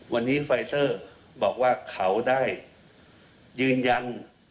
วันนี้ไฟเซอร์บอกว่าเขาได้ยืนยัน